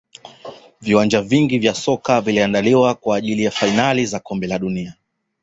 viwanja vingi vya soka viliandaliwa kwa ajili ya fainali za kombe la dunia